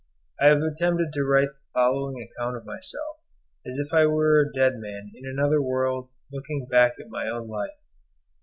I have attempted to write the following account of myself, as if I were a dead man in another world looking back at my own life.